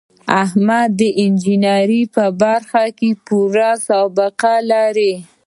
احمد د انجینرۍ په برخه کې پوره سابقه لري.